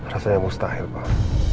rasanya mustahil pak